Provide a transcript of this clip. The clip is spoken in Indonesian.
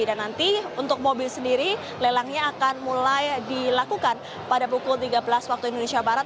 dan nanti untuk mobil sendiri lelangnya akan mulai dilakukan pada pukul tiga belas waktu indonesia barat